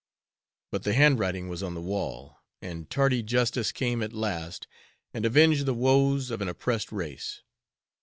But the handwriting was on the wall, and tardy justice came at last and avenged the woes of an oppressed race!